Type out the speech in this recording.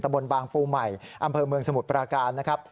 บนบางปูใหม่อำเภอเมืองสมุทรปราการนะครับ